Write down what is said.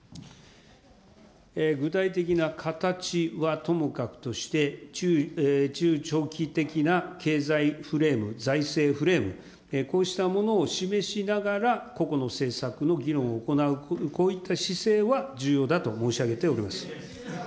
具体的な形はともかくとして、中長期的な経済フレーム、財政フレーム、こうしたものを示しながら、個々の政策の議論を行う、こういった姿勢は重要だと申し上げております。